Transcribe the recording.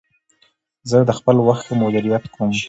زه د خپل وخت ښه مدیریت کوم.